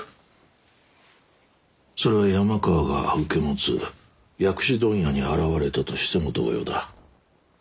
それは山川が受け持つ薬種問屋に現れたとしても同様だ。